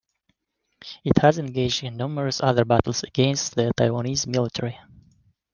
It has engaged in numerous other battles against the Taiwanese military.